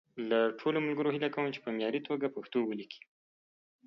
له ټولو ملګرو هیله کوم چې په معیاري توګه پښتو وليکي.